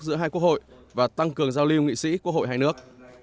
giữa hai quốc hội và tăng cường giao lưu nghị sĩ quốc hội hai nước